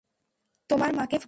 তোমার মাকে ফোন দাও।